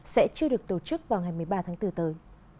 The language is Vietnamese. sẽ chưa được tổ chức vào ngày một mươi ba tháng bốn tới